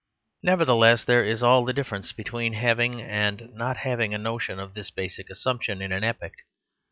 Nevertheless there is all the difference between having and not having a notion of this basic assumption in an epoch.